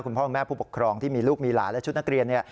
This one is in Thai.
คุณพ่อแม่ผู้ปกครองที่มีลูกมีหลานและชุดนักเรียนเนี่ย